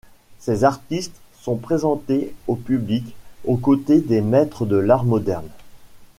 Ces artistes sont présentés au public aux côtés des maîtres de l’art moderne.